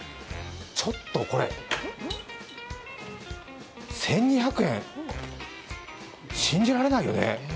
ちょっとこれ、１２００円！信じられないよね。